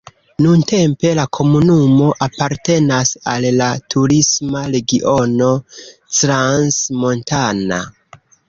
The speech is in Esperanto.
Nuntempe la komunumo apartenas al la turisma regiono Crans-Montana.